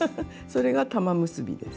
それが玉結びです。